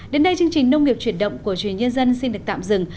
đến đây chương trình nông nghiệp truyền động của truyền nhân dân xin được tạm dừng